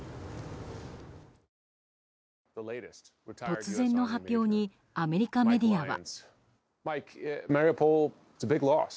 突然の発表にアメリカメディアは。